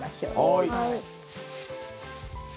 はい。